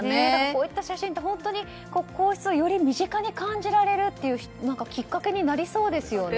こういった写真って本当に皇室をより身近に感じられるというきっかけになりそうですよね。